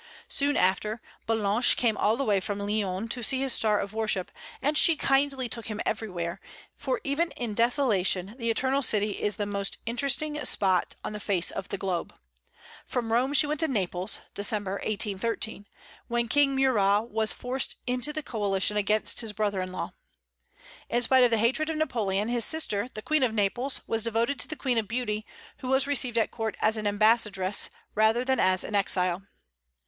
Soon after, Ballanche came all the way from Lyons to see his star of worship, and she kindly took him everywhere, for even in desolation the Eternal City is the most interesting spot on the face of the globe. From Rome she went to Naples (December, 1813), when the King Murat was forced into the coalition against his brother in law. In spite of the hatred of Napoleon, his sister the Queen of Naples was devoted to the Queen of Beauty, who was received at court as an ambassadress rather than as an exile.